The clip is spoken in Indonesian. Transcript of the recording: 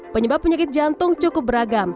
penyebab penyakit jantung cukup beragam